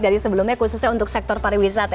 dari sebelumnya khususnya untuk sektor pariwisata